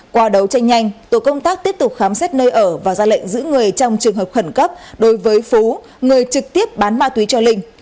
qua đấu tranh nhanh tổ công tác tiếp tục khám xét nơi ở và ra lệnh giữ người trong trường hợp khẩn cấp đối với phú người trực tiếp bán ma túy cho linh